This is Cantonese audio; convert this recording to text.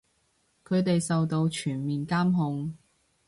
佢哋受到全面監控